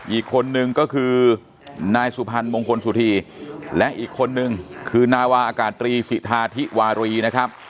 อีกคนนึงก็คือนายสุพรรณมงคลสุธีและอีกคนนึงคือนาวาอากาศตรีสิทธาธิวารีนะครับ